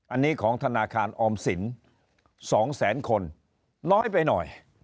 อันนี้ของธนาคารออมสิน๒แสนคนน้อยไปหน่อย